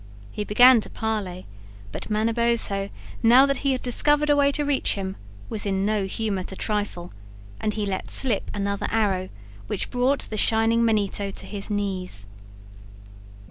He began to parley, but Manabozho, now that he had discovered a way to reach him, was in no humor to trifle, and he let slip another arrow which brought the Shining Manito to his knees.